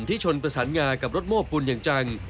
ชนประสานงากับรถโม้ปูนอย่างจัง